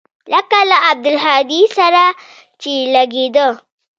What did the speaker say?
لکه له عبدالهادي سره چې لګېده.